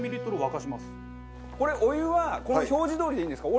これお湯はこの表示どおりでいいんですか？